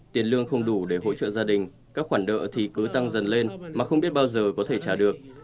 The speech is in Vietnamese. tiền lương không đủ để hỗ trợ gia đình các khoản nợ thì cứ tăng dần lên mà không biết bao giờ có thể trả được